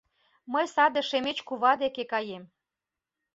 — Мый саде Шемеч кува деке каем.